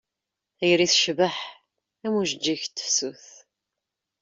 Tayri tecbeḥ am ujeǧǧig n tefsut.